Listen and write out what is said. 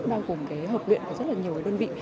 bao gồm hợp luyện của rất nhiều đơn vị